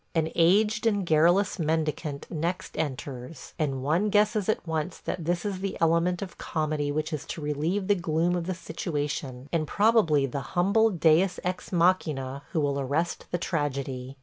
An aged and garrulous mendicant next enters, and one guesses at once that this is the element of comedy which is to relieve the gloom of the situation, and probably the humble deus ex machinâ who will arrest the tragedy.